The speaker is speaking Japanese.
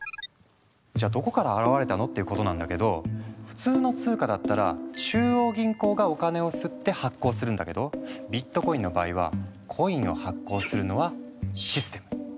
じゃあどこから現れたの？っていうことなんだけど普通の通貨だったら中央銀行がお金を刷って発行するんだけどビットコインの場合はコインを発行するのはシステム。